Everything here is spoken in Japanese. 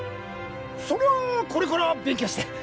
それはこれから勉強して。